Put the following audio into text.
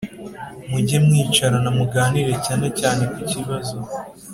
mujye mwicarana muganire cyane cyane ku kibazo